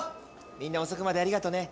みんな遅くまでありがとね。